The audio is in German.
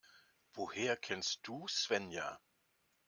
Woher kennst du Svenja?